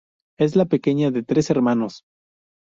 Es la pequeña de tres hermanos.